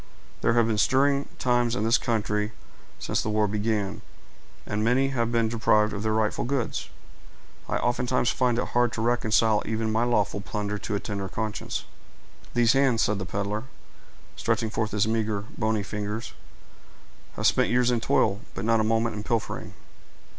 There have been stirring times in this country since the war began, and many have been deprived of their rightful goods I oftentimes find it hard to reconcile even my lawful plunder to a tender conscience." "These hands," said the peddler, stretching forth his meager, bony fingers, "have spent years in toil, but not a moment in pilfering."